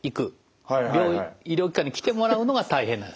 病院医療機関に来てもらうのが大変なんです。